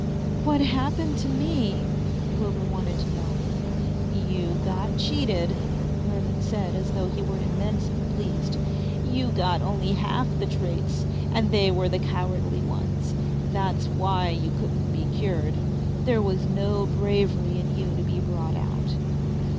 "What happened to me?" Wilbur wanted to know. "You got cheated," Merlin said as though he were immensely pleased. "You got only half the traits, and they were the cowardly ones. That's why you couldn't be cured. There was no bravery in you to be brought out."